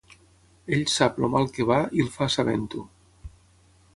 Ell sap el mal que va i el fa sabent-ho.